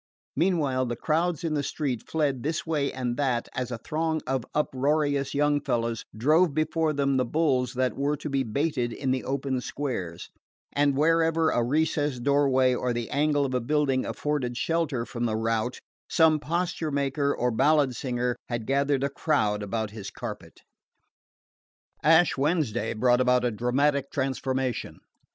Meanwhile the crowds in the streets fled this way and that as a throng of uproarious young fellows drove before them the bulls that were to be baited in the open squares; and wherever a recessed doorway or the angle of a building afforded shelter from the rout, some posture maker or ballad singer had gathered a crowd about his carpet. Ash Wednesday brought about a dramatic transformation.